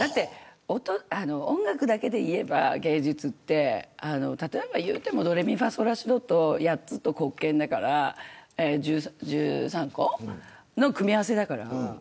音楽だけで言えば、芸術って例えば言ってもドレミファソラシドと黒鍵だから１３個の組み合わせだから。